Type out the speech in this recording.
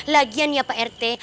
lagian ya pak rete